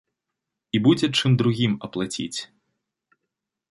І будзе чым другім аплаціць.